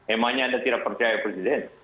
emangnya tidak percaya pada presiden